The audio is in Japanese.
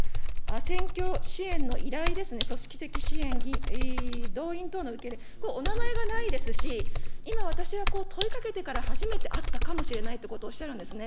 選挙支援の依頼ですね、組織的支援動員等の受ける、お名前がないですし、今、私が問いかけてから初めて、あったかもしれないとおっしゃるんですね。